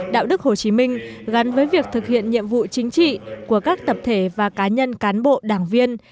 đạo đức hồ chí minh gắn với việc thực hiện nhiệm vụ chính trị của các tập thể và cá nhân cán bộ đảng viên